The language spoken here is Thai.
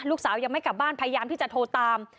ยังไม่กลับบ้านพยายามที่จะโทรตาม